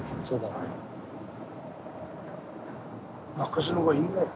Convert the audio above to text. そうだね。